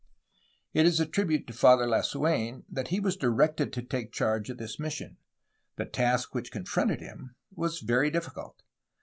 It is a tribute to Father Lasu^n that he was directed to take charge of this mission. The task which confronted him was very difficult.